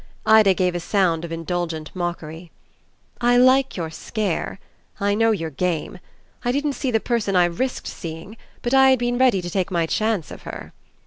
Ida gave a sound of indulgent mockery. "I like your scare. I know your game. I didn't see the person I risked seeing, but I had been ready to take my chance of her."